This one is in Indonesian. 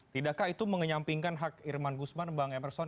tidakkah itu mengenyampingkan hak irman gusman bang emerson